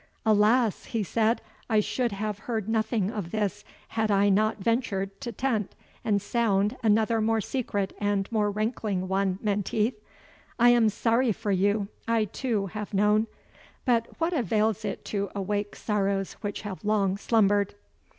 Alas!" he said, "I should have heard nothing of this, had I not ventured to tent and sound another more secret and more rankling one, Menteith; I am sorry for you I too have known But what avails it to awake sorrows which have long slumbered!"